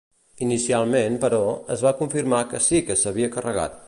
Inicialment, però, es va confirmar que sí que s'havia carregat.